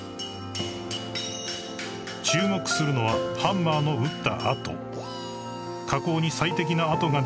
［注目するのはハンマーの打った痕］